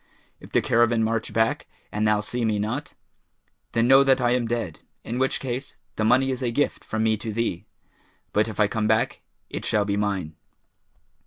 If the caravan march back and thou see me not, then know that I am dead, in which case the money is a gift from me to thee; but if I come back, it shall be mine.'